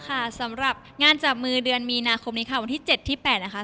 สำหรับงานจับมือเดือนมีนาคมนี้ค่ะวันที่๗ที่๘นะคะ